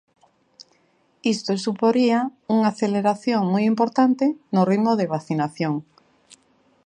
Isto suporía unha aceleración moi importante no ritmo de vacinación.